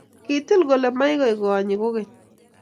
Kitil gole magoigonyi kogeny